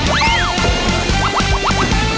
ออฟาจอร์